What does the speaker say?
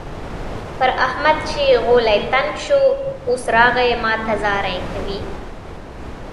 پر احمد چې غولی تنګ شو؛ اوس راغی ما ته زارۍ کوي.